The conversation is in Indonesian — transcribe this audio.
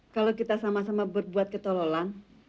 kalau kita sama sama berbuat ketolongan